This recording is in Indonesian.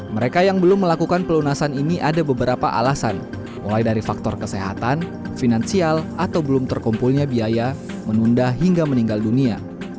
mereka yang belum melakukan pelunasan ini ada beberapa alasan mulai dari faktor kesehatan finansial atau belum terkumpulnya biaya menunda hingga meninggal dunia